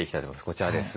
こちらです。